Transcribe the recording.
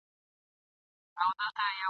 زه یې وینم دوی لګیا دي په دامونو !.